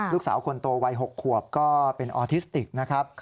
ลูกสาวคนโตวัย๖ขวบก็เป็นออทิสติกนะครับ